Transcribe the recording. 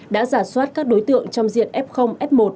đã giả soát các đối tượng trong diện f f một